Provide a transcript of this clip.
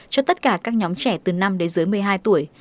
cho tất cả các nhóm trẻ từ năm đến dưới một mươi hai tuổi